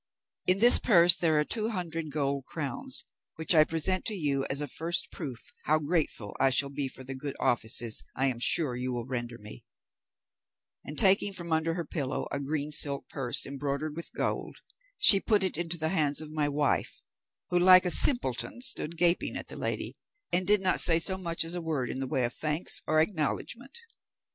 In this purse there are two hundred gold crowns, which I present to you as a first proof how grateful I shall be for the good offices I am sure you will render me;' and taking from under her pillow a green silk purse, embroidered with gold, she put it into the hands of my wife, who, like a simpleton, stood gaping at the lady, and did not say so much as a word in the way of thanks or acknowledgment.